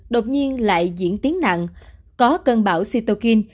đột nhiên lại diễn tiến nặng có cân bảo cytokine